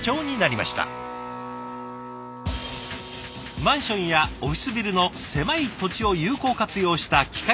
マンションやオフィスビルの狭い土地を有効活用した機械式立体駐車場。